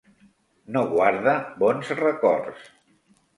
No guarda bons records.